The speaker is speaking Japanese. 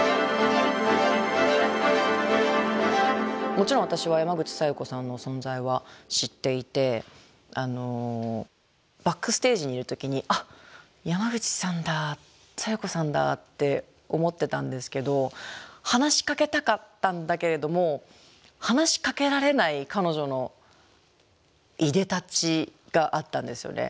もちろん私は山口小夜子さんの存在は知っていてバックステージにいる時にあっ山口さんだ小夜子さんだって思ってたんですけど話しかけたかったんだけれども話しかけられない彼女のいでたちがあったんですよね。